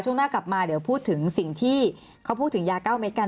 ช่วงหน้ากลับมาเดี๋ยวพูดถึงสิ่งที่เขาพูดถึงยา๙เม็ดกัน